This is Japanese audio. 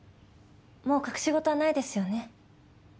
もう隠し事はないですよね？